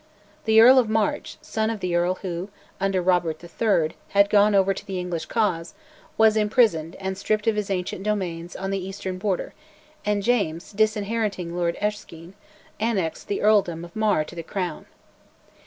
The Earl of March, son of the Earl who, under Robert III., had gone over to the English cause, was imprisoned and stripped of his ancient domains on the Eastern Border; and James, disinheriting Lord Erskine, annexed the earldom of Mar to the Crown.